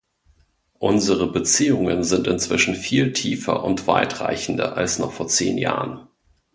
Unsere Beziehungen sind inzwischen viel tiefer und weitreichender als noch vor zehn Jahren.